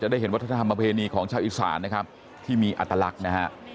ได้เห็นวัฒนธรรมประเพณีของชาวอีสานนะครับที่มีอัตลักษณ์นะฮะ